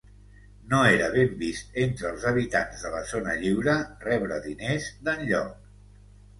No era ben vist entre els habitants de la zona lliure rebre diners d’enlloc.